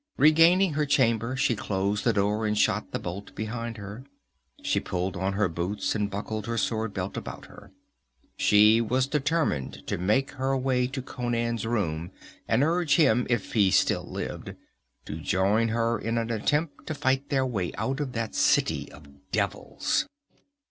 Regaining her chamber, she closed the door and shot the bolt behind her. She pulled on her boots and buckled her sword belt about her. She was determined to make her way to Conan's room and urge him, if he still lived, to join her in an attempt to fight their way out of that city of devils.